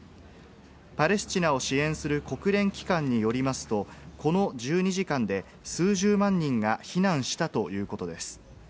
パレスチナを支援する国連機関によりますと、この１２時間で数十万人が避難したということです。